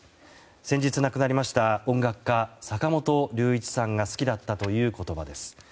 先日亡くなりました音楽家・坂本龍一さんが好きだったという言葉です。